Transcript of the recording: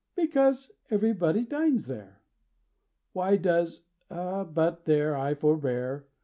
Because Everybody dines there. Why does But, there, I forbear.